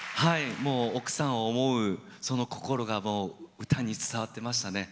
奥さんを思う、その心が歌に伝わってましたね。